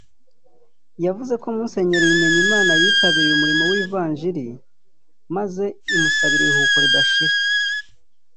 yavuze ko Musenyeri Bimenyimana yitangiye umurimo w’ivanjiri maze imusabira iruhuko ridashira